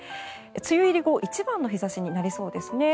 梅雨入り後一番の日差しになりそうですね。